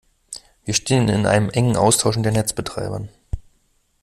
Wir stehen in engem Austausch mit den Netzbetreibern.